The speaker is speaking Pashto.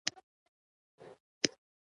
ناڅاپي لګښتونه بودیجه ګډوډوي.